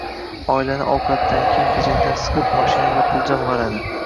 Oilani ovqatdan, kiyim-kechakdan siqib, mashinaga pul jamgʼaradi.